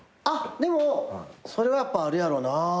でもそれはやっぱあるやろな。